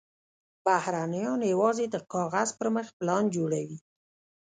بهرنیان یوازې د کاغذ پر مخ پلان جوړوي.